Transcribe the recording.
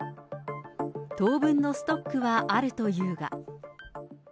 当分のストックはあるというが。